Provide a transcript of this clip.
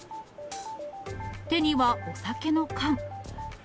手にはお酒の缶。